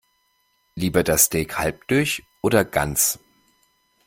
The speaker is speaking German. Lieber das Steak halb durch oder ganz?